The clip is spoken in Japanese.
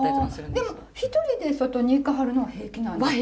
でも一人で外に行かはるのは平気なんですか？